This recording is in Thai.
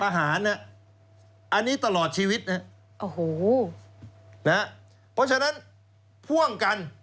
เพราะฉะนั้นตลอดชีวิตนะฮะโอ้โหนะฮะเพราะฉะนั้นพ่วงกัน